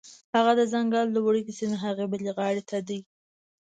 هغه ځنګل د وړوکي سیند هغې بلې غاړې ته دی